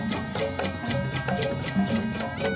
melakukan penelitian iklan